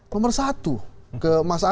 nomor satu ke mas anies